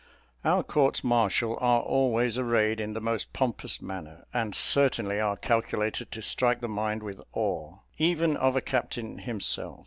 Our courts martial are always arrayed in the most pompous manner, and certainly are calculated to strike the mind with awe even of a captain himself.